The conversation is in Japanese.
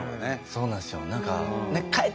そうなんですよ。